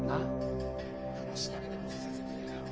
話だけでもさせてくれよ。